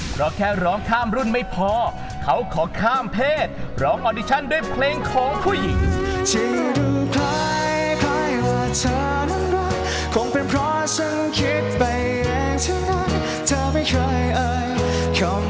เพราะแค่ร้องข้ามรุ่นไม่พอเขาขอข้ามเพศร้องออดิชั่นด้วยเพลงของผู้หญิง